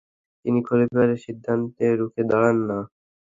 তিনি খলিফার সিদ্ধান্তে রুখে দাঁড়ান না।